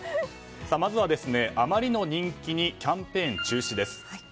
まずは、あまりの人気にキャンペーン中止です。